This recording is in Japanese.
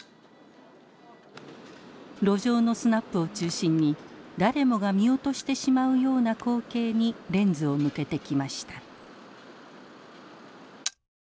路上のスナップを中心に誰もが見落としてしまうような光景にレンズを向けてきました。